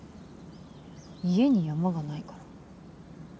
家に山がないから。